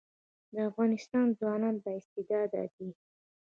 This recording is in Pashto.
د افغانستان ځوانان با استعداده دي